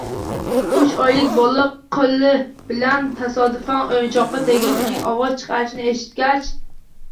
Uch oylik bola qo‘li bilan tasodifan o‘yinchoqqa tegib, uning ovoz chiqarishini eshitgach